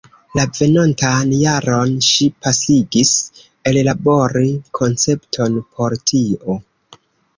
La venontan jaron ŝi pasigis ellabori koncepton por tio.